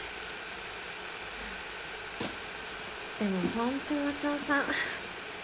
でも本当松尾さん